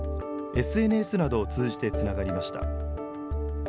ＳＮＳなどを通じてつながりました。